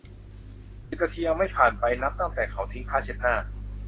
สิบนาทียังไม่ผ่านไปนับตั้งแต่เขาทิ้งผ้าเช็ดหน้า